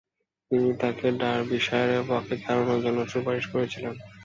তিনি তাকে ডার্বিশায়ারের পক্ষে খেলার জন্যে সুপারিশ করেছিলেন।